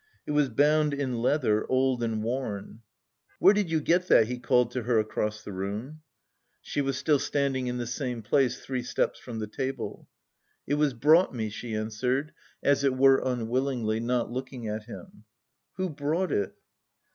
It was bound in leather, old and worn. "Where did you get that?" he called to her across the room. She was still standing in the same place, three steps from the table. "It was brought me," she answered, as it were unwillingly, not looking at him. "Who brought it?"